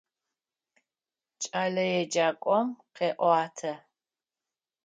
Кӏэлэеджакӏом къеӏуатэ.